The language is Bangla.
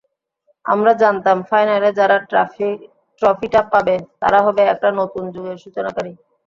আমরা জানতাম, ফাইনালে যারা ট্রফিটা পাবে তারা হবে একটা নতুন যুগের সূচনাকারী।